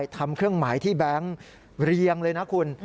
ทำเครื่องหมายที่แบงค์เรียงเลยนะคุณ